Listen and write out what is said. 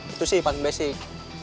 itu sih part basic